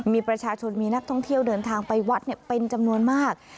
มีประชาชนมีนักท่องเที่ยวเดินทางไปวัดเป็นจำนวนมาก